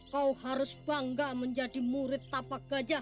kau harus bangga menjadi murid tapak gajah